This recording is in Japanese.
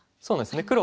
そうなんですね。